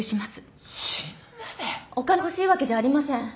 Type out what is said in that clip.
お金が欲しいわけじゃありません。